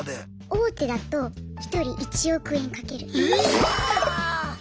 大手だと１人１億円かけるって。